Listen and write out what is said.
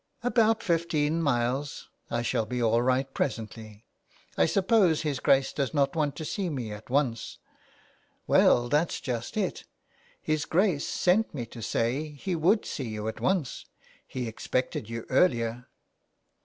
" About fifteen miles. I shall be all right presently. I suppose his Grace does not want to see me at once." " Well, that's just it. His Grace sent me to say he would see you at once. He expected you earlier.'